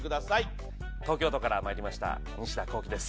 東京都からまいりました西田亘輝です。